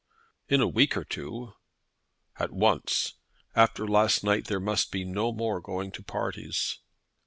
"In a week or two." "At once. After last night, there must be no more going to parties."